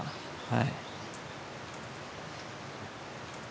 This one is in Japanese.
はい。